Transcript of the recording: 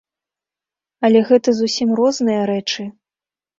Але гэта зусім розныя рэчы.